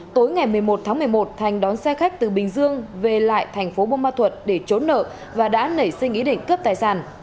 tối ngày một mươi một tháng một mươi một thành đón xe khách từ bình dương về lại thành phố bô ma thuật để trốn nợ và đã nảy sinh ý định cướp tài sản